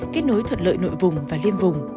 kết nối thuận lợi nội vùng và liên vùng